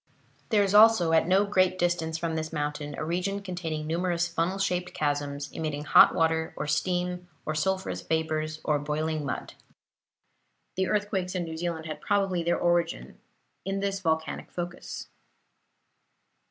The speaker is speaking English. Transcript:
There is also, at no great distance from this mountain, a region containing numerous funnel shaped chasms, emitting hot water, or steam, or sulphurous vapors, or boiling mud. The earthquakes in New Zealand had probably their origin in this volcanic focus.